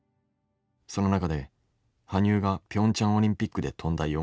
その中で羽生がピョンチャンオリンピックで跳んだ